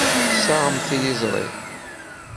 Tessaɣemt tiliẓri.